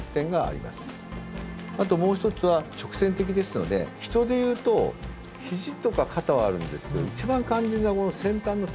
あともう一つは直線的ですので人で言うと肘とか肩はあるんですけど一番肝心な先端の手首の動きがない。